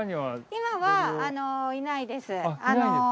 今はいないです。